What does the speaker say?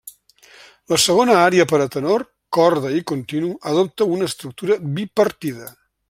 La segona ària per a tenor, corda i continu, adopta una estructura bipartida.